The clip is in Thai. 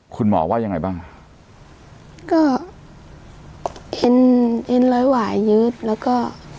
คุณหมอว่ายังไงบ้างก็เอ็นเอ็นร้อยหวายยืดแล้วก็